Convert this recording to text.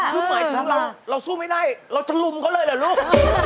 คือหมายถึงเราสู้ไม่ได้เราจะลุมเขาเลยเหรอลูก